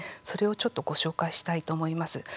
それをちょっとご紹介したいと思います。